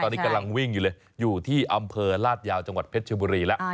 ตอนนี้กำลังวิ่งอยู่เลยอยู่ที่อำเภอลาดยาวจังหวัดเพชรชบุรีแล้ว